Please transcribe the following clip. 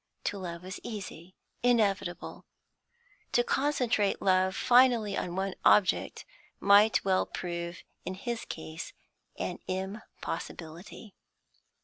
To love was easy, inevitable; to concentrate love finally on one object might well prove, in his case, an impossibility.